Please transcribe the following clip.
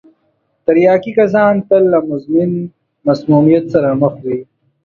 تریاکي کسان تل له مزمن مسمومیت سره مخ وي.